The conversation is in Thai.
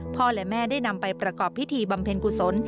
พ่อแม่ได้นำไปประกอบพิธีบำเพ็ญกุศล